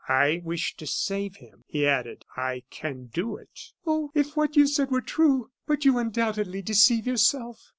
"I wish to save him," he added, "I can do it." "Oh! if what you said were true? But you undoubtedly deceive yourself."